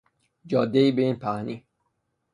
جادهای به این پهنی